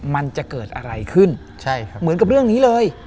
มันจะเกิดอะไรขึ้นใช่ครับเหมือนกับเรื่องนี้เลย